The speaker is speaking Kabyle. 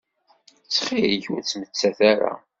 Ttxil-k ur ttmettat ara.